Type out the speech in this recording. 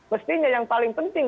mestinya yang paling penting